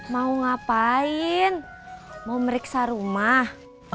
mau ngapain mau meriksa rumah